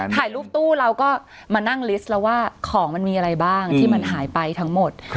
ถ่ายรูปตู้เราก็มานั่งลิสต์แล้วว่าของมันมีอะไรบ้างที่มันหายไปทั้งหมด